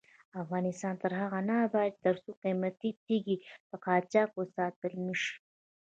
افغانستان تر هغو نه ابادیږي، ترڅو قیمتي تیږې له قاچاق وساتل نشي.